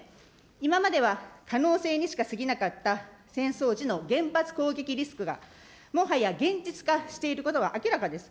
今までは可能性にしかすぎなかった戦争時の原発攻撃リスクが、もはや現実化していることは明らかです。